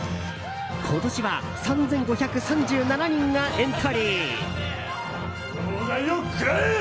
今年は３５３７人がエントリー。